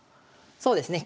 そうですね